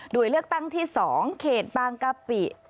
โดยเลือกตั้งที่๒เขตบางกะปิ